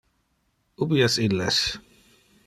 Ubi es illes?